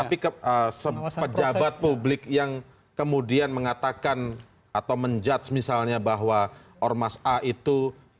tapi pejabat publik yang kemudian mengatakan atau menjudge misalnya bahwa ormas a itu